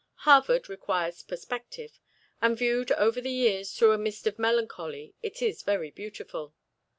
Harvard requires perspective, and viewed over the years through a mist of melancholy it is very beautiful.